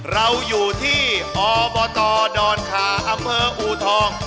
เราอยู่ที่อบตดอนคาอำเภออูทอง